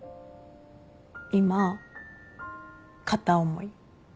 今片思い。